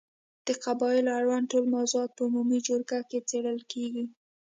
د قبایلو اړوند ټول موضوعات په عمومي جرګې کې څېړل کېږي.